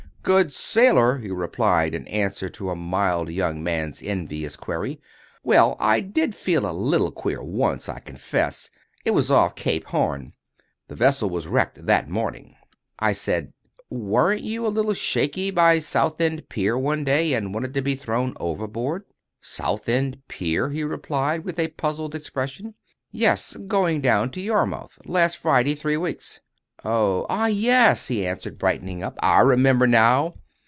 "Good sailor!" he replied in answer to a mild young man's envious query; "well, I did feel a little queer once, I confess. It was off Cape Horn. The vessel was wrecked the next morning." I said: "Weren't you a little shaky by Southend Pier one day, and wanted to be thrown overboard?" "Southend Pier!" he replied, with a puzzled expression. "Yes; going down to Yarmouth, last Friday three weeks." "Oh, ah—yes," he answered, brightening up; "I remember now.